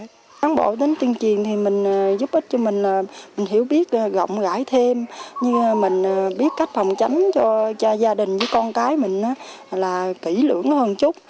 sáng bộ đến tuyên truyền thì mình giúp ích cho mình mình hiểu biết gọng gãi thêm mình biết cách phòng tránh cho gia đình với con cái mình là kỹ lưỡng hơn chút